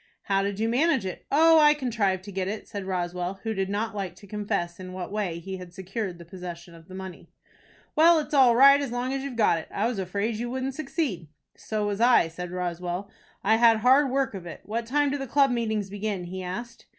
"How did you manage it?" "Oh, I contrived to get it," said Roswell, who did not like to confess in what way he had secured possession of the money. "Well, it's all right, as long as you've got it. I was afraid you wouldn't succeed." "So was I," said Roswell. "I had hard work of it. What time do the club meetings begin?" he asked.